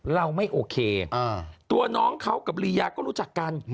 เราไม่โอเคตัวน้องเขากับรียาก็รู้จักกัน